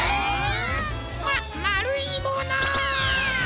ままるいもの。